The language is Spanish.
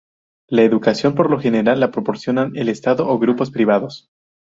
La educación, por lo general, la proporcionan el Estado o grupos privados.